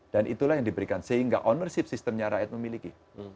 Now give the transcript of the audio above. dan itulah yang diberikan sehingga ownership sistemnya rakyat memiliki